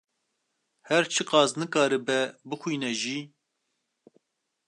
her çiqas nikaribe bixwîne jî